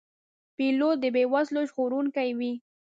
پیلوټ د بې وزلو ژغورونکی وي.